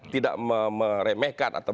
tidak meremehkan atau